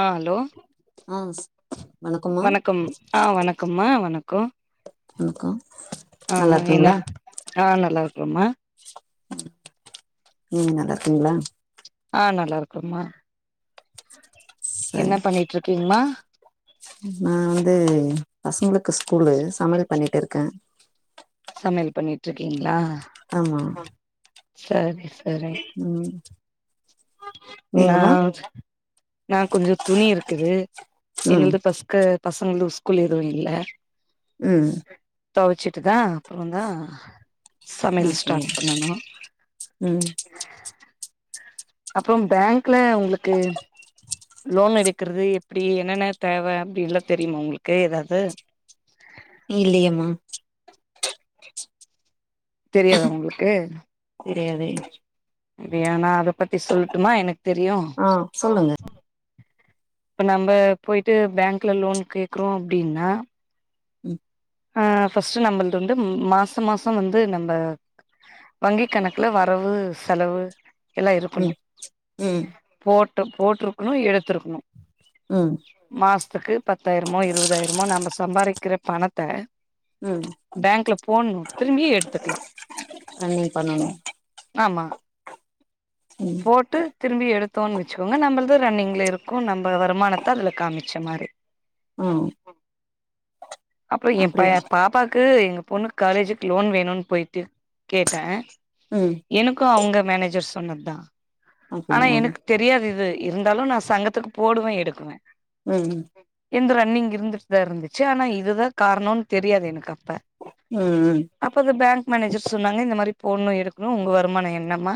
ஆ hello ம் வணக்கம் ஆ வணக்கம்மா வணக்கோ குல்க்கா ஆ ஆ என்னப் ஆ நல்லாருகோம் மா ம் நல்லார்க்கீங்ளா ஆ நல்லாருக்கம் மா என்ன சரி பண்ணிட்ரிக்கீங்மா நா வந்து பசங்களுக்கு ஸ்கூலு சமையல் பண்ணிட்ருக்க சமையல் பண்ணிட்ருக்கீங்களா ஆமா சரி சரி ம் நா நீங்கம்மா நா கொஞ்சோ துணி இருக்குது ம் எங்களது ஃபஸ்க பசங்கலுக்கு ஸ்கூல் எதுவு இல்ல ம் தொவச்சுட்டு தா அப்பறந் தா சமையல் ஓகே ஸ்டாட் பண்ணணு ம் அப்பறம் பேங்க்ல உங்களுக்கு லோன் எடுக்கறது எப்படி என்னன்ன தேவ அப்டின்ல்லா தெரியுமா உங்களுக்கு ஏதாவது இல்லையம்மா தெரியாத உங்களுக்கு தெரியாதே இது ஏனா அத பத்தி சொல்ட்டுமா எனக் தெரியு ஆ சொல்லுங்க இப்ப நம்ப போயிட்டு பேங்க்ல லோன் கேக்றோ அப்டின்னா ம் அ ஃபஸ்ட்டு நம்மள்து வந்து மாச மாச வந்து நம்ப வங்கி் கணக்குல வரவு செலவு எல்லா ம் இருக்குணு ம் ம் போட்டு போட்டிருக்குணு எடுத்துருக்குணு ம் மாசத்துக்கு பத்தாயிரமோ இருபதாயிரமோ நம்ப சம்பாதிக்கிற பணத்த ம் பேங்க்ல போட்ணு திரும்பியு எடுத்துக்லா ரன்னிங் பண்ணணு ஆம்மா ம் போட்டு திரும்பி எடுத்தோன் வெச்சுக்கோங்க நம்பிள்து ரன்னிங்லே இருக்கு நம்ப வருமானத்த அதுல காமிச்ச மாரி ம் அப்பறோ எ அப்டியா பைய பாப்பாக்கு எங்க பொண்ணுக் காலேஜுக்கு லோன் வேணுன் போயிட்டு கேட்டே ம் எனக்கு அவுங்க மேனேஜர் சொன்னத்தா ஆனா அப்டியா எனக் தெரியாது இது இருந்தாலு நா சங்கத்துக்கு போடுவே எடுக்குவே வை இந்த ரன்னிங் இருந்துட் தா இருந்துச்சு ஆனா இதுதா காரணோன் தெரியாது எனக் அப்ப ம் ம் அப்ப அந்த பேங்க் மேனேஜர் சொன்னாங்க இந்த மாரி போட்ணு எடுக்ணு உங்க வருமான என்னமா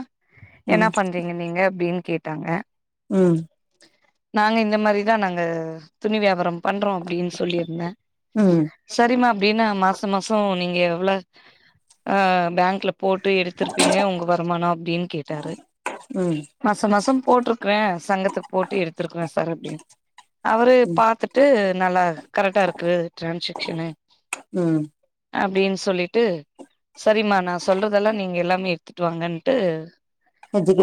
என்ன பண்றீ நீங்க அப்டின் கேட்டாங்க ம் நாங்க இந்த மாரிதா நாங்க துணி வியாபார பண்றோ அப்டின் சொல்லிருந்தே ம் சரிமா அப்டின்னா மாசம மாச நீங்க எவ்ள அ பேங்க்ல போட்டு எடுத்திருப்பீங்க உங்க வருமானோ அப்டின் கேட்டாரு ம் மாச மாசம் போட்ருக்றே சங்கத்துக் போட்டு எடுத்திருக்குறே சார் அப்டின் அவரு பாத்துட்டு நல்லா கரெக்டா இருக்கு டிரான்சாக்ஷனு ம் அப்டின் சொல்லிட்டு சரிம்மா நா சொல்றதெல்லா நீங்க எல்லாமே எடுத்துட் வாங்கன்ட்டு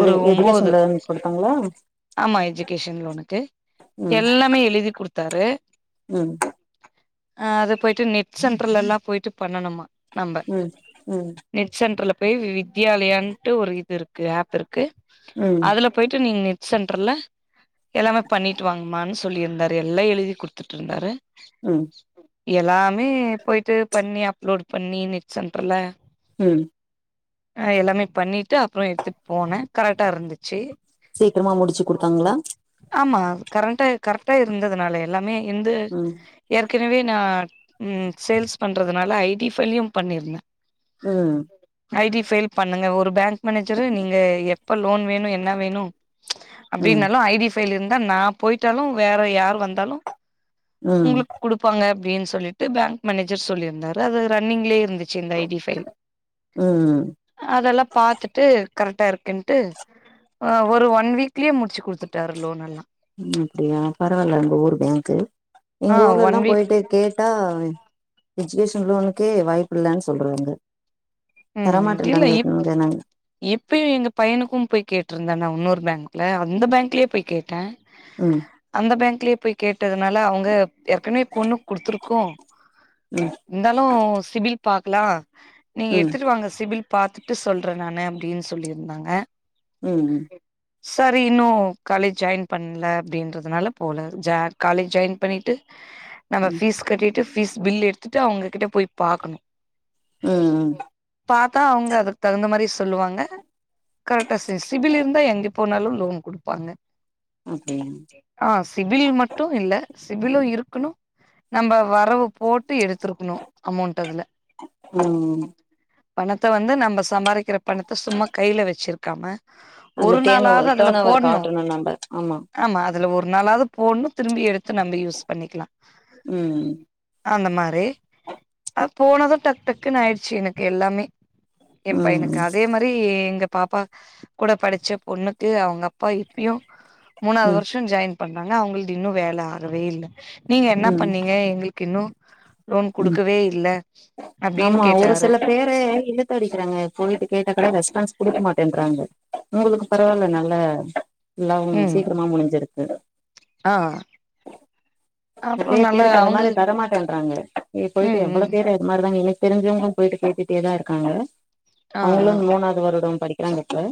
ஒரு ஒம்போது எஜுகேஷன் லோன் குடுத்தாங்களா ஆமா எஜுகேஷன் லோனுக்கு ம் எல்லாமே எழுதி குடுத்தாரு ம் அ அது போயிட்டு நெட் சென்ட்ர்ல எல்லா போயிட்டு பண்ணணுமா நம்ப ம் ம் நெட் சென்டர்ல போய் வித்யாலயான்ட்டு ஒரு இது இருக்கு ஆப் இருக்கு ம் அதுலப் போயிட்டு நீங்க நெட் சென்டர்ல எல்லாமே பண்ணிட்டு வாங்கமான் சொல்லிருந்தாரு எல்லா எழுதி குடுத்துட்டிருந்தாரு ம் எல்லாமே போயிட்டு பண்ணி அப்லோட் பண்ணி நெட் சென்டர்ல ம் ஆ எல்லாமே பண்ணிட்டு அப்பறோ எடுத்துட் போனே கரெக்டா இருந்துச்சு சீக்கிரமா முடிச்சு குடுத்தாங்களா ஆமா கரென்ட்டா கரெக்டா இருந்ததுனால எல்லாமே எந்த ம் ஏற்கனவே நான் ம் சேல்ஸ் பண்ணுறதுனால ஐடி ஃபைலயும் பண்ணியிருந்தே ம் ஐ டி ஃபயில் பண்ணுங்க ஒரு பேங்க் மேனேஜரு நீங்க எப்ப லோன் வேணும் என்ன வேணு ம் அப்டின்னாலும் ஐ டி ஃபைல் இருந்தா நான் போயிட்டாலும் வேற யார் வந்தாலும் ம் உங்களுக்கு குடுக் ப்பாங்க அப்டின் சொல்லிட்டு பேங்க் மேனேஜர் சொல்லிருந்தாரு அது ரன்னிங்லே இருந்துச்சு இந்த ஐ டி ஃபைல் ம் அதெல்லாம் பாத்துட்டு கரெக்ட்டா இருக் குன்ட்டு ஆ ஒரு ஒன் வீக்லேயே முடிச்சு குடுத்துட்டாரு லோன் எல்லாம் அப்புடியா பரவால்ல உங்க ஊர் பேங்க் ஆ எங்க ஒன் ஊர்லல்லாம் வீக் போயிட்டு கேட்டா எஜுகேஷன் லோனுக்கே வாய்ப்பு இல்லன்னனு சொல்றங்க தரமாட்டேறாங்க இங்க நாங்க இப்பயும் எங்க பையனுக்கும் போய் கேட்டிருந்தா நான் இன்னொரு பேங்க்ல அந்த பேங்க்லே போய் கேட்ட ம் அந்த பேங்க்லே போய் கேட்டதுனால அவுங்க ஏற்கனவே பொண்ணுக் குடுத்துருக்கோம் ம் ந்தாலும் சிபில் பாக்கலா நீங்க ம் ங்க சிபில் பாத்துட்டு சொல்ற நானு அப்டின்னு சொல்லிருந்தாங்க ம் ம் சரி இன்னும் காலேஜ் ஜாயின் பண்ல அப்டின்றதுனால போல ஜா காலேஜ் ஜாயின் பண்ணிட்டு நம்ம ம் ஃபீஸ் கட்டிட்டு ஃபீஸ் பில் எடுத்துட்டு அவுங்ககிட்ட போய் பாக்கணும் ம் ம் பாத்தா அவுங்க அதுக் தகுந்த மாரி சொல்லுவாங்க கரெக்டா சி சிபில் இருந்தா எங்கப் போனாலும் லோன் குடுப்பாங்க அப்டியா ஆ சிபிலில் மட்டும் இல்ல சிபிலும் இருக்கணும் நம்ம வரவு போட்டு எடுத்திருக்கணும் அமௌண்ட் அதுல ம் பணத்த வந்து நம்ம சம்பாரிக்கிற பணத்த சும்மா கைல வச்சிருக்காம அதுல ஒரு நாளாவது டேன்ஓவர் அதுல டர்ன் ஓவர் போடணு காட்டணும் நம்ம ஆமா ஆமா அதுல ஒரு நாளாவது போணும் திரும்பி எடுத்து நம்ப யூஸ் பண்ணிக்கலாம் ம் அந்த மாரி போனதும் டக் டக்குன்னு ஆயிடுச்சு எனக்கு எல்லாமே என் ம் பையனுக்கு அதே மா ரி எங்க பாப்பா கூட படிச்ச பொண்ணுக்கு அவுங்க அப்பா இப்பயும் மூணாவது ம் வருஷம் ஜாயின் பண்றாங்க அவங்கள்து இன்னும் வேல ஆகவே இல்ல நீங்க என்ன ம் பண்ணீங்க எங்களுக்கு இன்னும் லோன் ம் குடுக்கவே இல்ல அப்டின் கேட்டாரு து இழுத்து அடிக்கிறாங்க போயிட்டு கேட்டா கூட ரெஸ்பான்ஸ் குடுக்க மாட்டேன்றாங்க உங்களுக்கு பரவால்ல நல்ல எல்லாவும் ம் சீக்கிரமா முடிஞ்சிருக்கு ஆ அப்றோ நறைய நல்லா பேருக்கு அந்த மாரி அவங்களு தரமாட்டேன்றாங்க இ போயிட்டு ம் எவ்ளோ ம் பேர் அது மாரிதாங்க எனக்கு தெரிஞ்சவுங்களும் போயிட்டு கேட்டுட்டேதான் இருக்காங்க ஆ ஆ அவுங்களும் மூணாவது வருடம் படிக்கிறாங்க இப்ப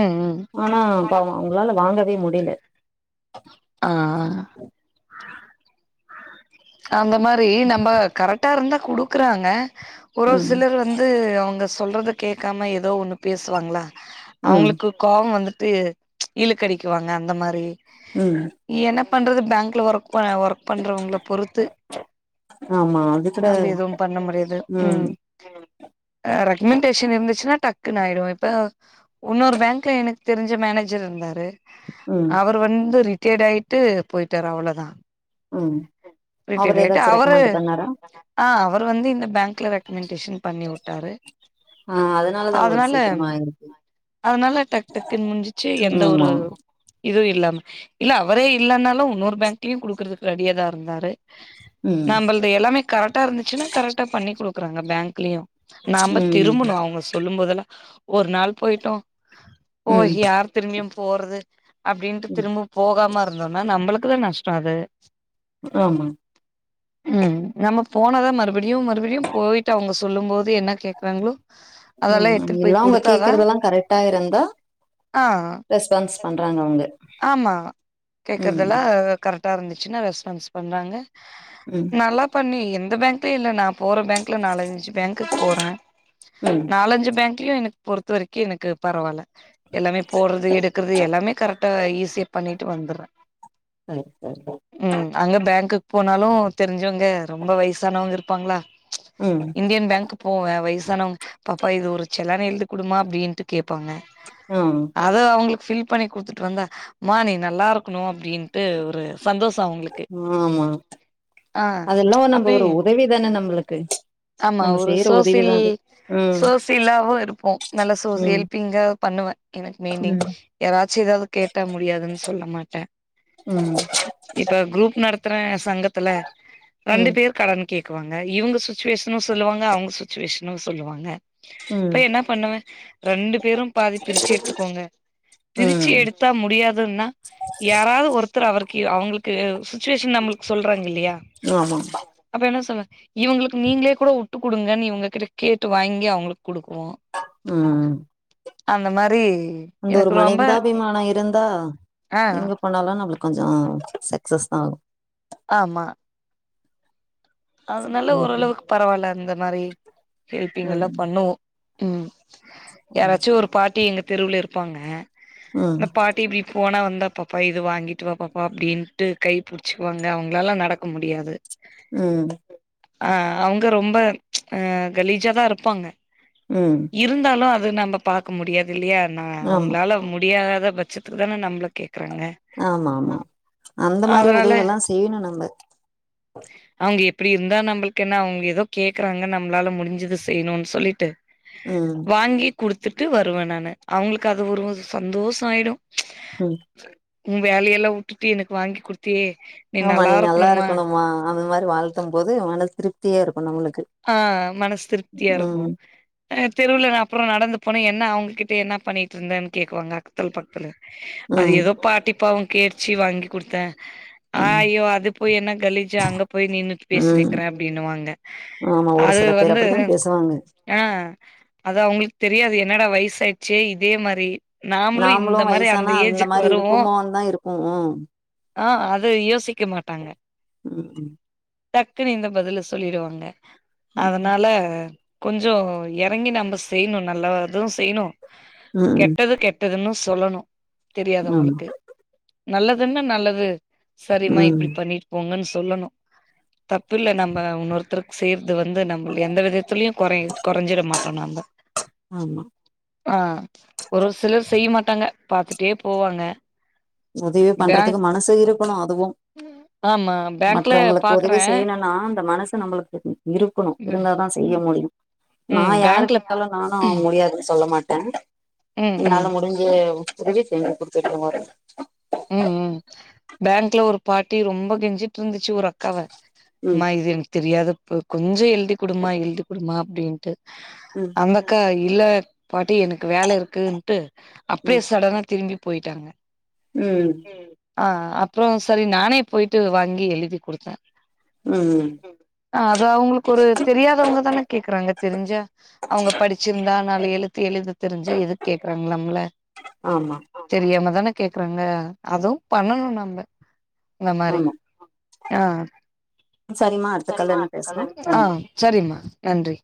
ம் ம் ஆனாப் பாவம் அவுங்களால வாங்கவே முடில ஆ அந்த மாரி நம்ம கரெக்டா இருந்தா குடுக்குறாங்க ஒரு ம் சிலர் வந் து அவுங்க சொல்றத கேக்காம ஏதோ ஒண்ணு பேசுவாங்களா ம் அவுங்களுக்கு கோவம் வந்துட்டு இழுக்கடிக்குவாங்க அந்த மாரி ம் நீ என்ன பண்றது பேங்க்ல ஒர்க் ப ஒர்க் பண்றவங்கள பொ ருத்து ஆமா அது கூட நம்ப எதுவு பண்ண முடியாது ம் ரெக்கமென்டேஷன் இருந்துச்சுன்னா டக்குனு ஆயிடும் இப்ப இன்னொரு பேங்க்ல எனக்கு தெரிஞ்ச மேனேஜர் இருந்தாரு ம் அவரு வந்து ரிட்டர்ட் ஆயிட்டு போயிட்டாரு அவ்ளோதா ம் அவரு ஏதாச்சு அவரு ரெக்கமெண்ட் பண்ணாரா ஆ அவரு வந்து இந்த பேங்க்ல ரெக்கமெண்டேஷன் பண்ணிவுட்டாரு ஆ அதனாலதா உங்களுக்கு சீக்கிரமா ஆயிருக்கு அதனால டக் டக்குன்னு முடிஞ்சிச்சு எந்த ஒரு ஆமா இதுவும் இல்லாம இல்ல அவரே இல்லனாலும் இன்னொரு பேங்க்லயும் குடுக்குறதுக்கு ரெடியா தான் இருந்தாரு ம் நம்மளது எல்லாமே கரெக்டா இருந்துச்சுன்னா கரெக்டா பண்ணி குடுக்குறாங்க பேங்க்லயும் நாம ம் திரும்புணு அவங்க சொல்லும் போதெல்ல ஒரு நாள் போயிட்டோம் ஓ ம் யார் திரும்பியும் போறது அப்டின்ட்டு ம் திரும்ப போகாம இருந்தோம்னா நம்பளுக்குதா நஷ்டோ அது ஆமா ம் நம்ம போனதா மறுபடியும் மறுபடியும் போயிட்டு அவங்க சொல்லும் போது என்ன கேக்குறாங்களோ அதெல்லா ம் எடுத்துட்டு போய் எல்லா அவுங்க குடுத்தாதா கேக்குறதெல்லாம் கரெக்டா இருந்தா ஆ ரெஸ்பான்ஸ் பண்றாங்க அவங்க. ஆமா ம். கேக்குறதெல்லா கரெக்டா இருந்துச்சுன்னா ரெஸ்பான்ஸ் பண்றாங்க ம் நல்லா பண்ணி எந்த பேங்க்லயும் இல்லை நான் போறே பேங்க்கில் நாலஞ்சு பேங்க்குக்கு போறே ம். நாலஞ்சு பேங்க்லயும் எனக்கு பொறுத்த வரைக்கு எனக்கு பரவால எல்லாமே போடுறது எடுக்கறது எல்லாமே கரெக்டா ஈஸியா பண்ணிட்டு வந்துறே கரெக்டா தான் ம் அங்க பேங்க்குக்கு போனாலும் தெரிஞ்சவங்க ரொம்ப வயசானவங்க இருப்பாங்களா ம். இண்டியன் பேங்க் போவேன் வயசானவங்க பாப்பா இது ஒரு செல்லான் எழுதிக்குடுமா அப்டின்ட்டு கேப்பாங்க ஆ அது அவங்களுக்கு ஃபில் பண்ணி குடுத்துட்டு வந்தா மா நீ நல்லா இருக்கணு அப்டின்ட்டு ஒரு சந்தோஷோ அவுங்களுக்கு ஆமா அதெல்லாம் நம்ம அப்டி ஒரு உதவி தானே நம்மளுக்கு ஆமா நம்ம ஒரு செய்ற உதவி சோசியல் தான் அது. ம். சோசியலாவும் இருப்போ நல்லா சோசில் ம். ஹெல்பிங்கா பண்ணுவேன் எனக்கு மெண்டிங் ம். யாராச்சும் ஏதாவது கேட்ட முடியாதுன்னு சொல்ல மாட்டேன் ம் இப்ப குரூப் நடத்துறே சங்கத்துல ரெண்டு ம். பேர் கலந் கேக்குவாங்க இவங்க சுச்சுவேஷனும் சொல்லுவாங்க அவங்க சுச்சுவேஷனும் சொல்லுவாங்க இப்ப ம். என்ன பண்ணுவே ரெண்டு பேரும் பாதி பிரிச்சி எடுத்துக்கோங்க பிரிச்சி ம். எடுத் தா முடியாதுன்னா யாராவது ஒருத்தர் அவருக்கு அவங்களுக்கு சுச்சுவேஷன் நம்பளுக் சொல்றாங்க இல்லையா ஆமா பா அப்ப என்ன சொல்லுவ இவங்களுக்கு நீங்களே கூட உட்டு குடுங்கன்னு இவங்ககிட்ட கேட்டு வாங்கி அவங்களுக்கு குடுக்குவோ ம்ம் அந்த மாரி அந்த ஒரு எனக்கு ரொம்ப மனிதாபிமான இருந்தா ஆ இங்கப் போனாலு நம்புளுக்கு கொஞ்சோ சக்சஸ் தா ஆகு ஆமா அதனால ஓரளவுக்கு பரவால்ல அந்த மாதிரி ம். ஹெல்பிங்க எல்லா ம். பண்ணுவோ ம் யாராச்சு ஒரு ம். பாட்டி எங்க தெருவுல இருப்பாங்க அந்த பாட்டி இப் போனா வந்தா பாப்பா இது வாங்கிட்டு வா பாப்பா அப்டின்ட்டு கை புடிச்சிக்குவாங்க அவங்களாலா நடக்க முடியாது ம் ஆ அவங்க ரொம்ப அ கலீஜா தா இருப்பாங்க ம் இருந்தாலு அது நம்ப பாக்க முடியாது இல்லையா நா ஆமா. அவ்ங்களால முடியாத பட்சத்துக்கு தான நம்மள கேக்குறாங்க ஆமா ஆமா அந்த மாரி அதனால உதவியெல்லா செய்யணு நம்ப அவங்க எப் எப்டி இருந்தா நம்பளுக்கு என்ன அவங்க ஏதோ கேக்கறாங்க நம்மளால முடிஞ்சது செய்ணுன்னு சொல்லிட்டு ம் வாங்கி குடுத்துட்டு வருவ நானு அவங்களுக்கு அது ஒரு சந்தோஷோ ஆயிடு ம் உ வேலையெல்லா வுட்டுட்டு எனக்கு வாங்கி குடுத்தியே ஆமா நீ நல்லா இருக்கணுமா அந்த மாரி வாழ்த்தும்போது மனசு திருப்தியா இருக்கு நம்மளுக்கு ஆ மனசு திருப்தியா இருக்கு ம் அ தெருவுல நா அப்புற நடந்து போன என்ன அவங்ககிட்ட என்ன பண்ணிட்டு இருந்தன்னு கேக்குவாங்க அக்கத்துல பக்கத்துல அது ம் ஏதோ பாட்டி பாவ கேட்டுச்சி வாங்கி குடுத்த ஆ ம் ஐயோ அது போய் என்னா கலிஜா அங்க போய் நின்னு ம் பேசினுருக்கிற அப்டின்னுவாங்க ஆமா ஒரு அது சில பேர் வந்து அப்டித்தா பேசுவாங்க ஆ அத அவங்களுக்கு தெரியாது என்னடா வயச ஆயிடுச்சே இதே மாரி நாமளு இந்த மாரி அந்த வயசானா ஏஜிக்கு மாரி வருவோ இருப்போமோன்னு தா இருக்கு ம் ஆ அது யோசிக்க மாட்டாங்க ம் டக்குன்னு இந்த பதில சொல்லிடுவாங்க ம் அதனால கொஞ்ச எறங்கி நம்ம செய்ணு நல்லது செய்ணு ம் ம் கெட்டது கெட் டதுன்னு சொல்லணு ஆமா தெரியாதவங்களுக்கு நல்லதுன்னா நல்லது சரிமா ம் இப்டி பண்ணிட்டு போங்கன்னு சொல்லணு தப்பு இல்ல நம்ம உன்னொருத்தருக்கு செய் இது வந்து நம்மளு எந்த விதத்துலயு கொறை கொறைஞ்சிட மாட்டோ நம்ப ஆமா ஆ ஒரு சிலர் செய்ய மாட்டாங்க பாத்துட்டே போவாங்க உதவி பண்றதுக்கு பேங்க் மனசு இருக்கணு அதுவு ஆமா பேங்க்ல மற்றவங்களுக்கு உதவி பாக்குறே செய்யணுனா அந்த மனசு நம்பளுக்கு இருக்கணு இருந்தாதா செய்ய முடியு நா ம் பேங்க்ல யாருக்காலு நானு ம் முடியாதுன்னு சொல்ல மாட்ட ம் என்னால ம் முடிஞ்ச உதவி செஞ்சு குடுத்துட்டுதா வருவ ம் ம் பேங்க்ல ஒரு பாட்டி ரொம்ப கெஞ்சிட்டு இருந்துச்சு ஒரு அக் காவ ம் அம்மா இது எனக் தெரியாது கொஞ்ச எழுதி கொடுமா எழுதி கொடுமா அப்டின்ட்டு ம் அந்த அக்கா இல்ல பாட்டி எனக்கு வேல இருக்குன்னுட்டு அப்டியே ம் சடனா திரும்பி போயிட்டாங்க ம் ஆ அப்புறே சரி நானே போயிட்டு வாங்கி எழுதி கொடுத்தே ம் ஆ அது அவுங்களுக்கு ஒரு தெரியாதவங்க தான கேக்குறாங்க தெரிஞ்சா அவுங்க படிச்சிருந்தா நாலு எழுத்து எழுத தெரிஞ்சா எது கேக்குறாங்க நம்மல ஆமா தெரியாம தானே கேக்குறாங்க அதுவு பண்ணணு நம்ப இந்த மாறி ஆமா ஆ ஆ சரிம்மா சேரிம்மா இன்னு அடுத்த கால்ல பேசலா பேசிக்கலா நன்றி ஆ சேரிம்மா நன்றி